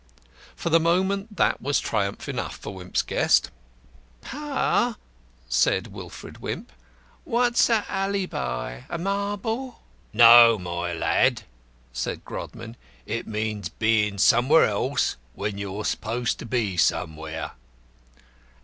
For the moment that was triumph enough for Wimp's guest. "Par," said Wilfred Wimp, "what's a alleybi? A marble?" "No, my lad," said Grodman, "it means being somewhere else when you're supposed to be somewhere."